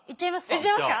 いっちゃいますか？